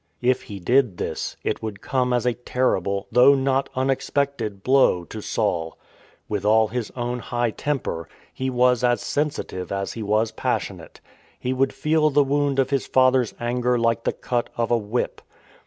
If he did this, it would come as a terrible, though not unexpected, blow to Saul. With all his own high temper, he was as sensitive as he was passionate. He would feel the wound of his father's anger like the cut of a whip.